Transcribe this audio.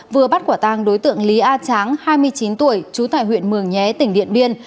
vừa bắt quả tang đối tượng lý a tráng hai mươi chín tuổi trú tại huyện mường nhé tỉnh điện biên